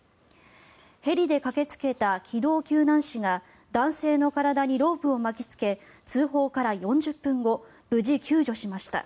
ヘリで駆けつけた機動救難士が男性の体にロープを巻きつけ通報から４０分後無事、救助しました。